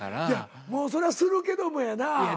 いやもうそらするけどもやなぁ。